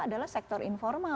adalah sektor informal